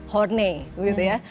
horne gitu ya